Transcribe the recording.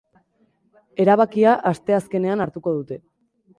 Erabakia asteazkenean hartuko dute.